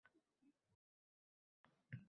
Har bir sohada ilmiy yondashuv shart bo‘lganidek